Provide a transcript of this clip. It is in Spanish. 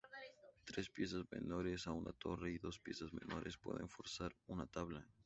Tres piezas menores o una torre y dos piezas menores pueden forzar una tabla.